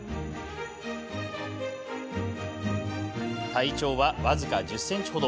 体長は僅か１０ｃｍ程。